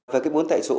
về cái bốn tại chỗ